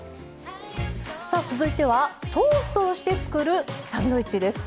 さあ続いてはトーストをして作るサンドイッチです。